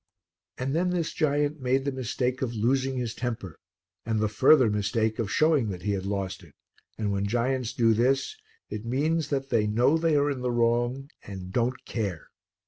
And then this giant made the mistake of losing his temper, and the further mistake of showing that he had lost it, and when giants do this, it means that they know they are in the wrong and don't care.